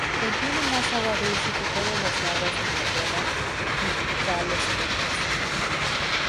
Contiene más agua dulce que todos los lagos de Inglaterra y Gales juntos.